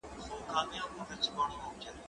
زه به سبا سپينکۍ پرېولم وم!.